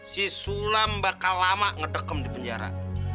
si sulam bakal lama ngedekam di penjara